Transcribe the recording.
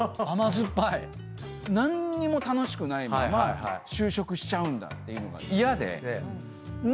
何にも楽しくないまま就職しちゃうんだっていうのが嫌で。